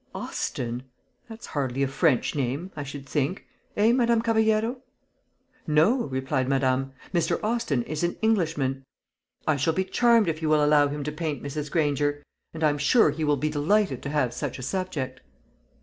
Austin! That's hardly a French name, I should think eh, Madame Caballero?" "No," replied Madame; "Mr. Austin is an Englishman. I shall be charmed if you will allow him to paint Mrs. Granger; and I'm sure he will be delighted to have such a subject."